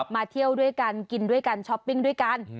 มาเที่ยวด้วยกันกินด้วยกันช้อปปิ้งด้วยกัน